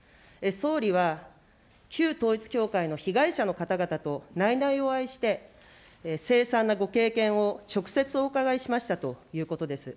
総理は、旧統一教会の被害者の方々と内々お会いして、凄惨なご経験を直接お伺いしましたということです。